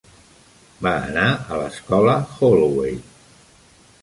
Va anar a l'Escola Holloway.